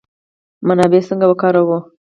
منابع څنګه وکاروو؟